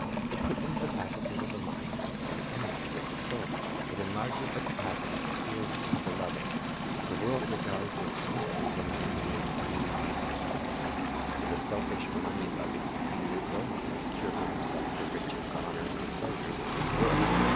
It quickens the faculties of the mind and the energies of the soul. It enlarges the capacity for feeling, for loving. The world regards as a mystery the man who is imbued with this principle. The selfish, money loving man lives only to secure for himself the riches, honors, and pleasures of this world.